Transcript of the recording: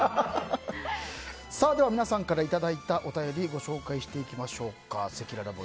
では、皆さんからいただいたお便りをご紹介していきます。